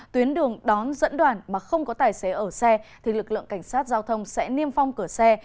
tuyến đường đón dẫn đoàn mà không có tài xế ở xe thì lực lượng cảnh sát giao thông sẽ niêm phong cửa xe